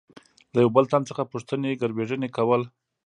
له یوه بل تن څخه پوښتنې ګروېږنې کول.